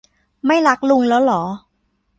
ไม่รักลุงแล้วหรอ